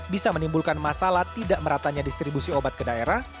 bisa menimbulkan masalah tidak meratanya distribusi obat ke daerah